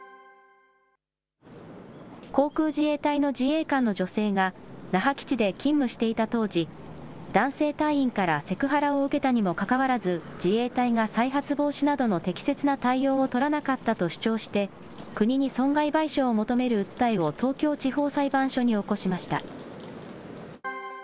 航空自衛隊の自衛官の女性が、那覇基地で勤務していた当時、男性隊員からセクハラを受けたにもかかわらず、自衛隊が再発防止などの適切な対応を取らなかったと主張して、国に損害賠償を求める訴えを東京地方裁判所に起こしました。